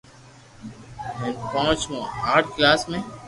ھين پونچ مون آٺ ڪلاس ۾